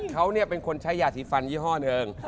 เขาเป็นคนใช้ยาสีฟันยี่ห้อหนึ่ง